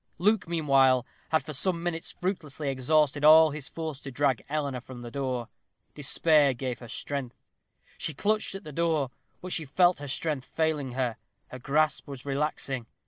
Luke, meanwhile, had for some minutes fruitlessly exhausted all his force to drag Eleanor from the door. Despair gave her strength; she clutched at the door; but she felt her strength failing her her grasp was relaxing.